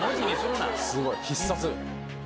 すごい必殺。